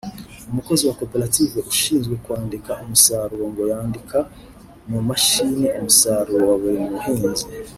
umukozi wa koperative ushinzwe kwandika umusaruro ngo yandika mu mashini umusaruro wa buri muhinzi